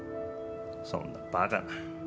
そんなバカな。